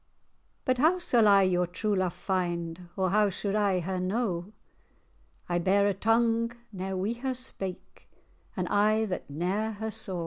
"But how sall I your true love find, Or how suld I her know? I bear a tongue ne'er wi' her spake, An eye that ne'er her saw."